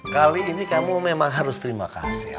kali ini kamu memang harus terima kasih